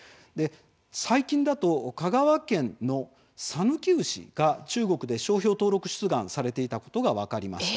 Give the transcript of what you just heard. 最近だと香川県の讃岐牛が中国で商標登録出願されていたことが分かりました。